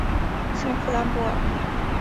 圣夫兰博尔。